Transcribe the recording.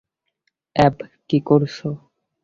অ্যাব, কী করছো?